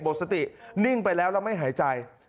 สตินิ่งไปแล้วแล้วไม่หายใจ